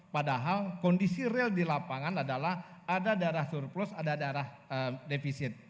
padahal kondisi real di lapangan adalah ada daerah surplus ada daerah defisit